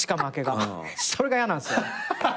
それがやなんすよ！